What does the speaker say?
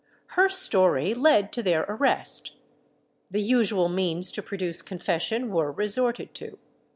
Her story led to their arrest. The usual means to produce confession were resorted to.